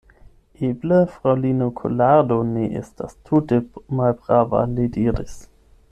Eble fraŭlino Kolardo ne estas tute malprava, li diris.